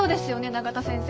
永田先生。